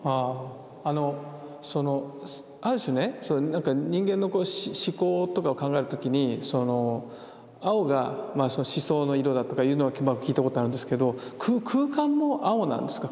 あのそのある種ね人間の思考とかを考える時にその青が思想の色だとかいうのは聞いたことがあるんですけど空間も青なんですか？